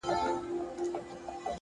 هوډ د اوږدو لارو ملګری دی!